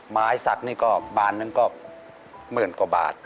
ไม้สักนี่ก็บานหนึ่งก็หมื่นกว่าบาท